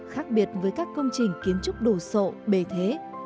khác biệt với các công trình kiến trúc đồ sộ bề thế